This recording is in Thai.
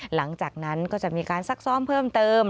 หลังจากนั้นก็จะมีการซักซ้อมเพิ่มเติม